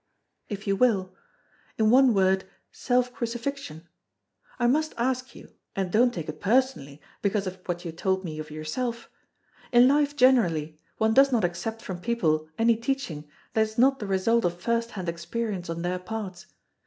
"If you will—in one word, self crucifixion—I must ask you, and don't take it personally, because of what you told me of yourself: In life generally, one does not accept from people any teaching that is not the result of firsthand experience on their parts.